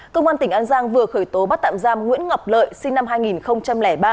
cơ quan tỉnh an giang vừa khởi tố bắt tạm giam nguyễn ngọc lợi sinh năm hai nghìn ba